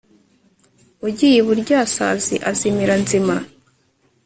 ugiye iburyasazi azimira nzima